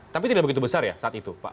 tapi tidak begitu besar ya saat itu pak